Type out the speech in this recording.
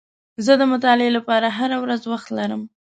زه د مطالعې لپاره هره ورځ وخت لرم.